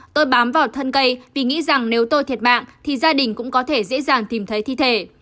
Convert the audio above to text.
tôi bám vào thân cây vì nghĩ rằng nếu tôi thiệt mạng thì gia đình cũng có thể dễ dàng tìm thấy thi thể